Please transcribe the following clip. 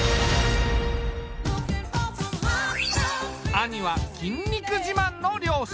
兄は筋肉自慢の漁師。